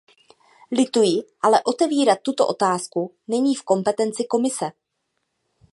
Lituji, ale otevírat tuto otázku není v kompetenci Komise.